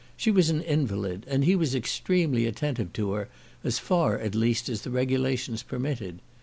She was an invalid, and he was extremely attentive to her, as far, at least, as the regulations permitted.